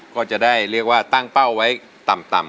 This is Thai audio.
ก็จะได้ตั้งเป้าไว้ต่ำ